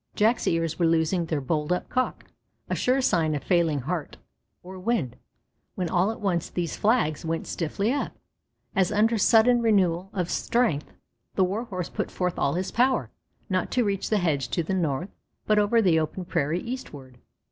Jack's ears were losing their bold up cock, a sure sign of failing heart or wind, when all at once these flags went stiffly up, as under sudden renewal of strength. The Warhorse put forth all his power, not to reach the hedge to the north, but over the open prairie eastward.